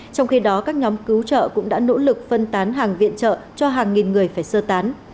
trong khi đó các nhóm cứu trợ cũng đã nỗ lực phân tán hàng viện trợ cho hàng nghìn người phải sơ tán